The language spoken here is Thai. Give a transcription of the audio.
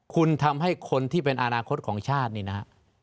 คุณทำให้คนที่เป็นอนาคตของชาตินี่นะฮะ